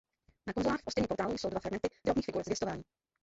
Na konzolách v ostění portálu jsou dva fragmenty drobných figur Zvěstování.